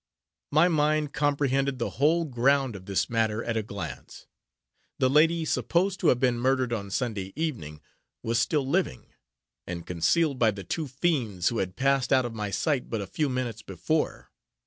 My mind comprehended the whole ground of this matter, at a glance. The lady supposed to have been murdered on Sunday evening, was still living; and concealed by the two fiends who had passed out of my sight but a few minutes before.